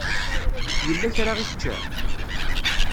Yella kra i tečča?